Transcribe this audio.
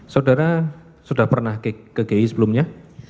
saudara sudah pernah ke gi sebelumnya